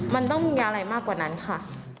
มันต้องมีอะไรมากกว่านั้นค่ะ